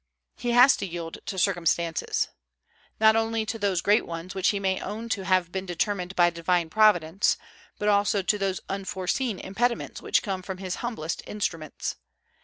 He has to yield to circumstances, not only to those great ones which he may own to have been determined by Divine Providence, but also to those unforeseen impediments which come from his humblest instruments.